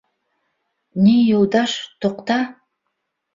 — Ни, Юлдаш, туҡта!